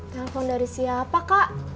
telepon dari siapa kak